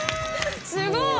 すごい！